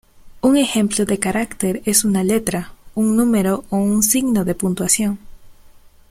Un ejemplo de carácter es una letra, un número o un signo de puntuación.